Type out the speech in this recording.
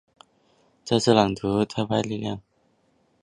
这次朗诵实际上凝聚了东海岸和西海岸的垮掉派力量。